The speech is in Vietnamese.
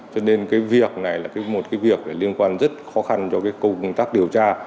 cho nên cái việc này là một cái việc liên quan rất khó khăn cho cái công tác điều tra